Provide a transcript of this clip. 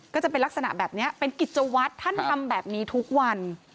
ก็จะเป็นลักษณะแบบนี้เป็นกิจวัตรท่านทำแบบนี้ทุกวัน